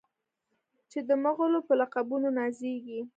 چې د مغلو په لقبونو نازیږي.